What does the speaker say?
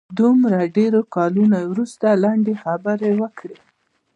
د دومره ډېرو کلونو وروسته یې لنډې خبرې وکړې.